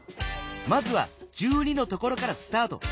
まずは１２のところからスタート。